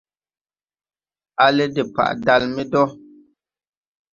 A lɛ de padal me dɔ.